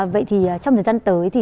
vậy thì trong thời gian tới